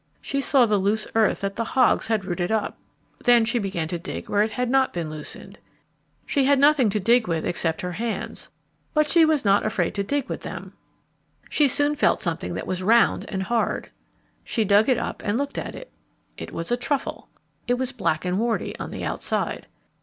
She saw the loose earth that the hogs had rooted up. Then she began to dig where it had not been loosened. She had nothing to dig with except her hands, but she was not afraid to dig with them. She soon felt something that was round and hard. She dug it up and looked at it. It was a truffle. It was black and warty on the outside.